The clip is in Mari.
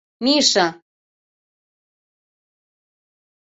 — Миша...